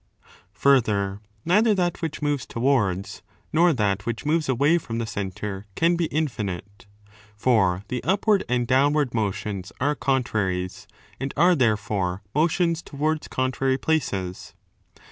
Further, neither that which moves towards nor that 6 which moves away from the centre can be infinite. For the upward and downward motions are contraries and are there fore motions towards contrary places.